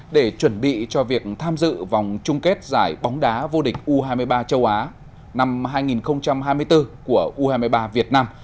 để chuẩn bị cho việc tham dự vòng chung kết giải bóng đá vô địch u hai mươi ba châu á năm hai nghìn hai mươi bốn của u hai mươi ba việt nam